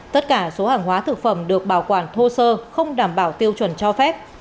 tất cả số hàng hóa thực phẩm được bảo quản thô sơ không đảm bảo tiêu chuẩn cho phép